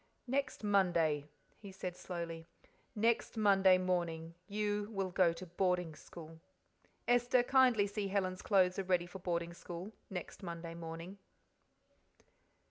"Next Monday," he said slowly "next Monday morning you will go to boarding school. Esther, kindly see Helen's clothes are ready for boarding school next Monday morning."